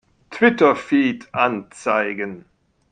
Twitter-Feed anzeigen!